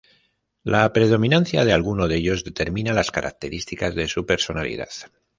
La predominancia de alguno de ellos determina las características de su personalidad.